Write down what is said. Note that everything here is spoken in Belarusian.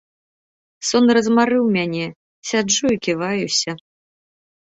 Сон размарыў мяне, сяджу і ківаюся.